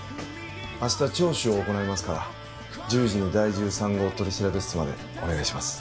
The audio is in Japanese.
明日聴取を行いますから１０時に第１３号取調室までお願いします